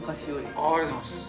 あと、ありがとうございます。